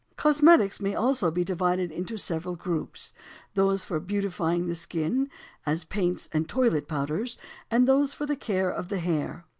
Cosmetics may also be divided into several groups—those for beautifying the skin, as paints and toilet powders; and those for the care of the hair.